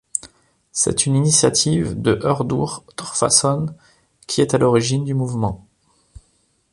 C'est une initiative de Hördur Torfason qui est à l'origine du mouvement.